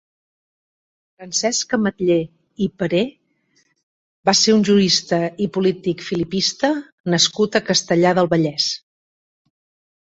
Francesc Ametller i Perer va ser un jurista i polític filipista nascut a Castellar del Vallès.